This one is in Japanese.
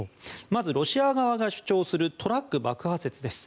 まずロシア側が主張するトラック爆破説です。